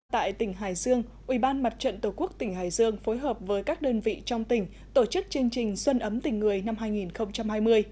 tại tỉnh hải dương ủy ban mặt trận tổ quốc tỉnh hải dương phối hợp với các đơn vị trong tỉnh tổ chức chương trình xuân ấm tình người năm hai nghìn hai mươi